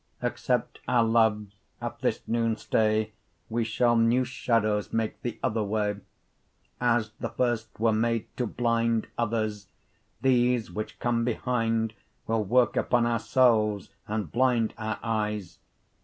Except our loves at this noone stay, We shall new shadowes make the other way. 15 As the first were made to blinde Others; these which come behinde Will worke upon our selves, and blind our eyes.